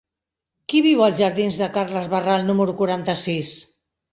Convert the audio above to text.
Qui viu als jardins de Carles Barral número quaranta-sis?